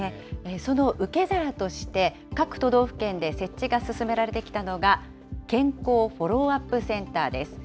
その受け皿として、各都道府県で設置が進められてきたのが健康フォローアップセンターです。